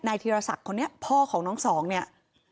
ธีรศักดิ์คนนี้พ่อของน้องสองเนี่ย